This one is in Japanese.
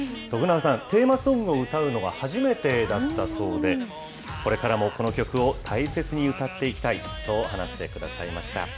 徳永さん、テーマソングを歌うのは初めてだったそうで、これからもこの曲を大切に歌っていきたい、そう話してくださいました。